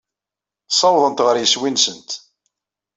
Ssawḍent ɣer yeswi-nsent.